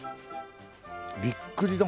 「びっくり丼」